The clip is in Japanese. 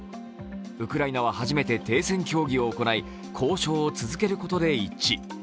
ウクライナは初めて停戦協議を行い交渉を続けることで一致。